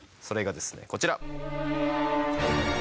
それがですねこちら。